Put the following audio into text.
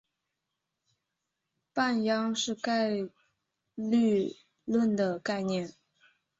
半鞅是概率论的概念。